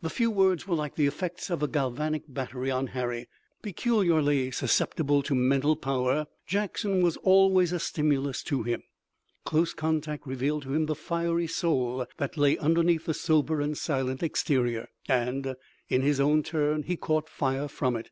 The few words were like the effects of a galvanic battery on Harry. Peculiarly susceptible to mental power, Jackson was always a stimulus to him. Close contact revealed to him the fiery soul that lay underneath the sober and silent exterior, and, in his own turn, he caught fire from it.